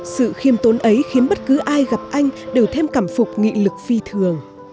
sự khiêm tốn ấy khiến bất cứ ai gặp anh đều thêm cảm phục nghị lực phi thường